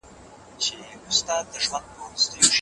تاسي په ژوند کي د مرګ له تریخوالي خبر یاست؟